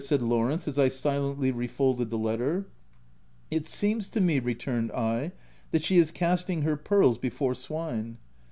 said Lawrence as I silently refolded the letter. " It seems to me," returned I, " that she is casting her pearls before swine.